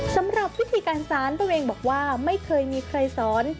สำหรับวิธีการสอนตัวเองบอกว่าไม่เคยมีใครสอน